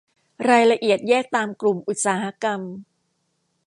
รายละเอียดแยกตามกลุ่มอุตสาหกรรม